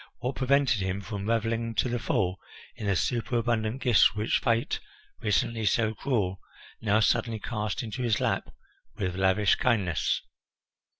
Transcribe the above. What prevented him from revelling to the full in the superabundant gifts which Fate, recently so cruel, now suddenly cast into his lap with lavish kindness?